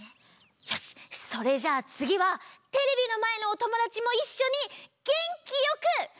よしそれじゃあつぎはテレビのまえのおともだちもいっしょにげんきよく「スタート！」っていってね！